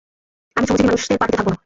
আমি শ্রমজীবি মানুষদের পার্টিতে থাকব না!